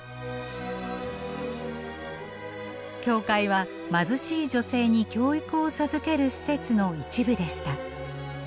教会は貧しい女性に教育を授ける施設の一部でした。